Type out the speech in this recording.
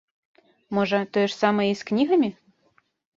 Можа, тое ж самае і з кнігамі?